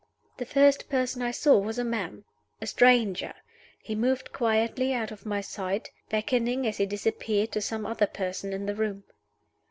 The first person I saw was a man a stranger. He moved quietly out of my sight; beckoning, as he disappeared, to some other person in the room.